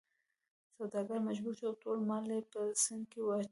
سوداګر مجبور شو او ټول مال یې په سیند کې واچاوه.